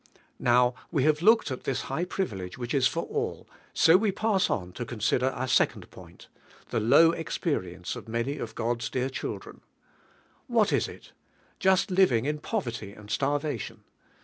Now, we have looked at this high priv ilege which is for all, so we pass on to consider our second point: The Low Ex perience of many of God's dear children. What, is it? .Inst living in poverty and starvation.